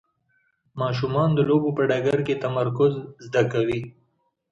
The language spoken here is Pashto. ماشومان د لوبو په ډګر کې تمرکز زده کوي.